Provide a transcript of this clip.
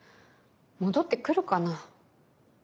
戻ってくるかな？